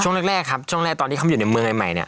ช่องแรกครับช่องแรกตอนที่เข้ามาอยู่ในเมืองใหม่